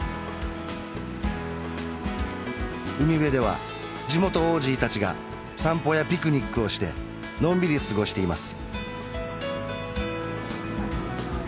海辺では地元オージー達が散歩やピクニックをしてのんびり過ごしています